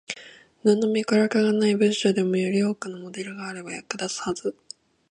なんの脈絡がない文章でも、より多くのモデルがあれば役立つはず。